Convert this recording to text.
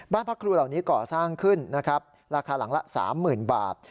บ้านพักครูเหล่านี้ก่อสร้างขึ้นนะครับราคาหลังละ๓๐๐๐บาท